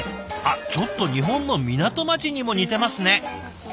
あっちょっと日本の港町にも似てますね。